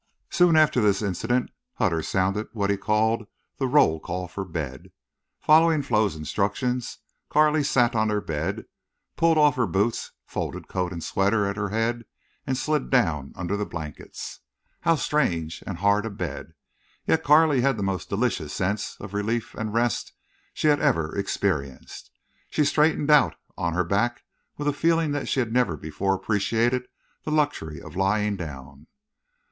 Soon after this incident Hutter sounded what he called the roll call for bed. Following Flo's instructions, Carley sat on their bed, pulled off her boots, folded coat and sweater at her head, and slid down under the blankets. How strange and hard a bed! Yet Carley had the most delicious sense of relief and rest she had ever experienced. She straightened out on her back with a feeling that she had never before appreciated the luxury of lying down.